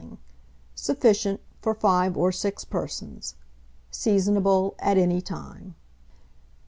Sufficient for 5 or 6 persons. Seasonable at any time.